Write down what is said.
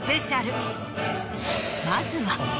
まずは。